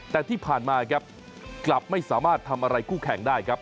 แต่ที่ผ่านมาครับกลับไม่สามารถทำอะไรคู่แข่งได้ครับ